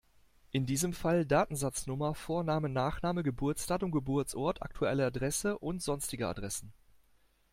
In diesem Fall: Datensatznummer, Vorname, Nachname, Geburtsdatum, Geburtsort, aktuelle Adresse und sonstige Adressen.